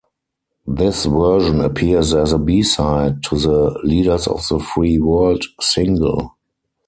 This version appears as a B-side to the "Leaders of the Free World" single.